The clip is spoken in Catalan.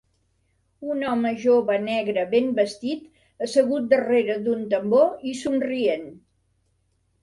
Un home jove negre ben vestit assegut darrere d'un tambor i somrient